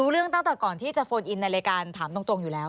เรื่องตั้งแต่ก่อนที่จะโฟนอินในรายการถามตรงอยู่แล้ว